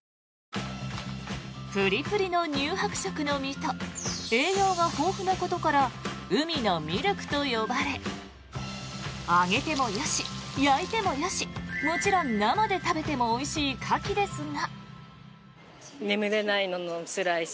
プリプリの乳白色の身と栄養が豊富なことから海のミルクと呼ばれ揚げてもよし、焼いてもよしもちろん生で食べてもおいしいカキですが。